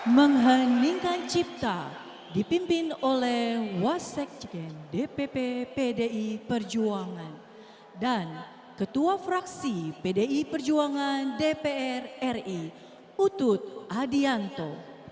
mengheningkan cipta dipimpin oleh wasekjen dpp pdi perjuangan dan ketua fraksi pdi perjuangan dpr ri utut adianto